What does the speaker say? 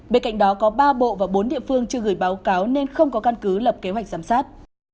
bên cạnh đó có ba bộ và bốn địa phương chưa gửi báo cáo nên không có căn cứ lập kế hoạch giám sát